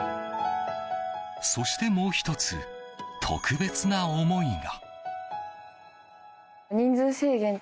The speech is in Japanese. そしてもう１つ特別な思いが。